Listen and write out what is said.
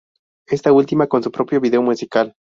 Esta última con su propio video musical.